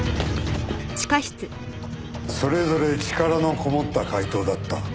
それぞれ力のこもった解答だった。